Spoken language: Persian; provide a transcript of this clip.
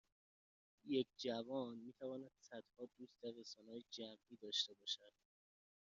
یک جوان میتواند صدها دوست در رسانههای جمعی داشته باشد